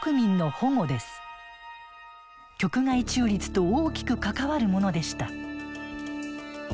局外中立と大きく関わるものでした。